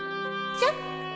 ちょっと